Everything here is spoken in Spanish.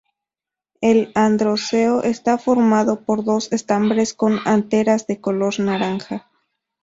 El androceo está formado por dos estambres con anteras de color naranja.